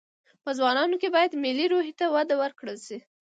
په ځوانانو کې باید ملي روحي ته وده ورکړل شي